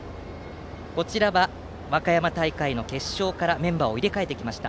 こちらは和歌山大会の決勝からメンバーを入れ替えてきました。